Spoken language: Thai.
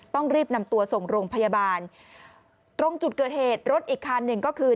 ต้องรีบนำตัวส่งโรงพยาบาลตรงจุดเกิดเหตุรถอีกคันหนึ่งก็คือ